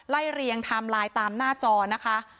เรียงไทม์ไลน์ตามหน้าจอนะคะ